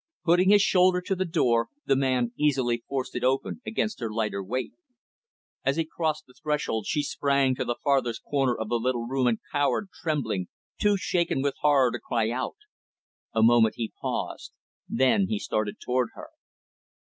Putting his shoulder to the door, the man easily forced it open against her lighter weight. As he crossed the threshold, she sprang to the farthest corner of the little room, and cowered, trembling too shaken with horror to cry out. A moment he paused; then started toward her.